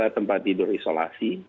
dua tempat tidur isolasi